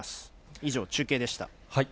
以上、中継でした。